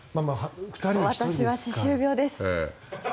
私は歯周病です。